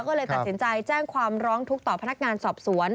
ก็เลยตัดสินใจแจ้งความร้องทุกข์ต่อพนักงานสอบสวน